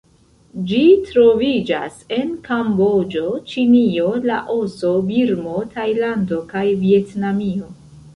Ĝi troviĝas en Kamboĝo, Ĉinio, Laoso, Birmo, Tajlando kaj Vjetnamio.